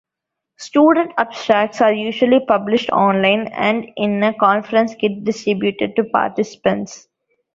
Student abstracts are usually published online and in a conference kit distributed to participants.